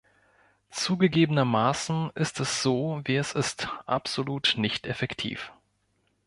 Zugegebenermaßen ist es so, wie es ist, absolut nicht effektiv.